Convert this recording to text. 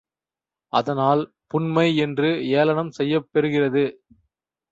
அதனால் புன்மை என்று ஏளனம் செய்யப் பெறுகிறது.